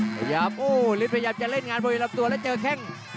พยายามโอ้ฤทธิพยายามจะเล่นงานบริเวณลำตัวแล้วเจอแข้ง